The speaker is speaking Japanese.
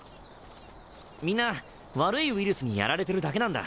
みんな悪いウイルスにやられてるだけなんだ。